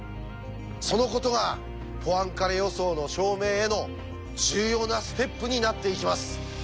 そのことがポアンカレ予想の証明への重要なステップになっていきます。